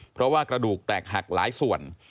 เพราะว่ากระดูกแตกหักหลายส่วน